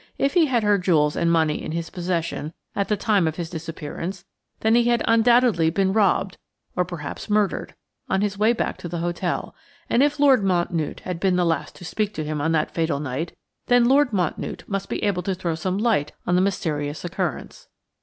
If he had her jewels and money in his possession at the time of his disappearance, then he had undoubtedly been robbed, or perhaps murdered, on his way back to the hotel, and if Lord Mountnewte had been the last to speak to him on that fatal night, then Lord Mountnewte must be able to throw some light on the mysterious occurrence.